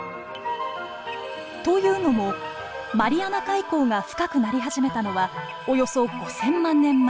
というのもマリアナ海溝が深くなり始めたのはおよそ５，０００万年前。